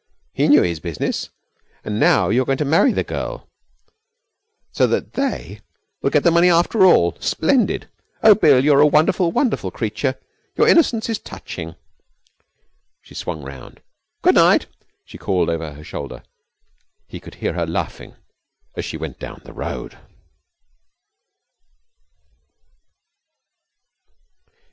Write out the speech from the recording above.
He knew his business! And now you're going to marry the girl so that they will get the money after all! Splendid! Oh, Bill, you're a wonderful, wonderful creature! Your innocence is touching.' She swung round. 'Good night,' she called over her shoulder. He could hear her laughing as she went down the road.